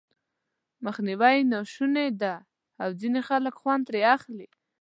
مخنيوی یې ناشونی دی او ځينې خلک خوند ترې اخلي.